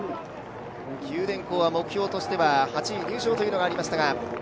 九電工は目標としては８位入賞というのがありましたが。